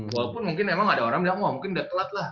walaupun mungkin emang ada orang bilang wah mungkin udah telat lah